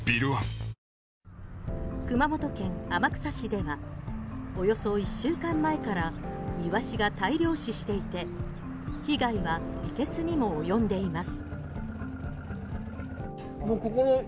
熊本県天草市ではおよそ１週間前からイワシが大量死していて被害はいけすにも及んでいます。